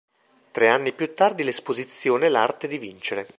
Tre anni più tardi, l'esposizione "L'arte di vincere.